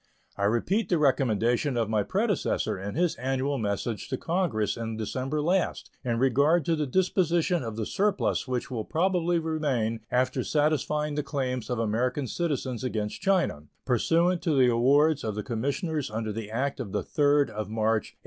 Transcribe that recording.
I repeat the recommendation of my predecessor in his annual message to Congress in December last in regard to the disposition of the surplus which will probably remain after satisfying the claims of American citizens against China, pursuant to the awards of the commissioners under the act of the 3d of March, 1859.